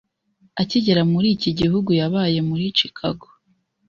Akigera muri iki gihugu yabaye muri Chicago